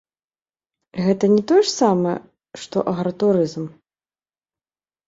Гэта не тое ж самае, што агратурызм?